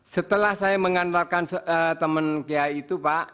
setelah saya mengandalkan teman kiai itu pak